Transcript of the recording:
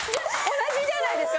同じじゃないですか。